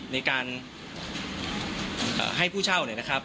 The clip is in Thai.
ในการให้ผู้เช่าเนี่ยนะครับ